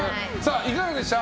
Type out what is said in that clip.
いかがでした？